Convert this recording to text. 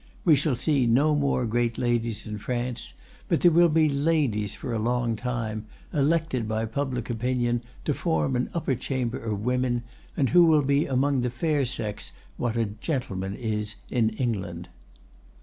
We shall see no more great ladies in France, but there will be 'ladies' for a long time, elected by public opinion to form an upper chamber of women, and who will be among the fair sex what a 'gentleman' is in England."